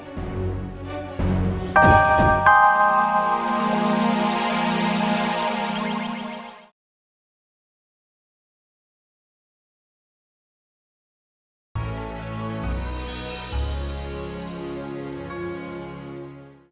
lihat yg kalian sebelum makan disana